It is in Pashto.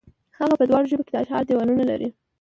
هغه په دواړو ژبو کې د اشعارو دېوانونه لري.